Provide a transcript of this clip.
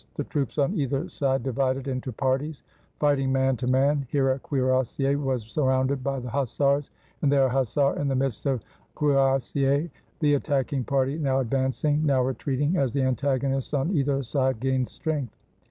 The troojjs on either side divided into parties, fighting man to man ; here a cuirassier was surrounded by the hussars, and there a hussar in the midst of cuirassiers, the at tacking party now advancing, now retreating, as the antagonists on either side gained strength.